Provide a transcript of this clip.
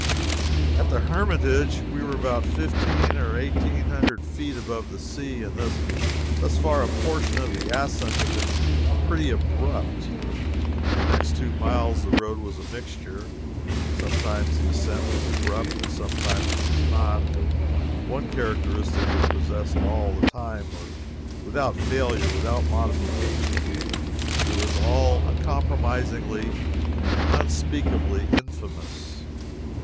At the Hermitage we were about fifteen or eighteen hundred feet above the sea, and thus far a portion of the ascent had been pretty abrupt. For the next two miles the road was a mixture sometimes the ascent was abrupt and sometimes it was not: but one characteristic it possessed all the time, without failure without modification it was all uncompromisingly and unspeakably infamous.